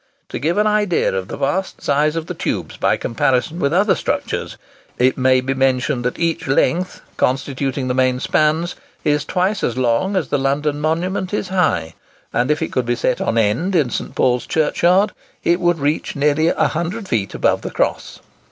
To give an idea of the vast size of the tubes by comparison with other structures, it may be mentioned that each length constituting the main spans is twice as long as London Monument is high; and if it could be set on end in St. Paul's Churchyard, it would reach nearly 100 feet above the cross.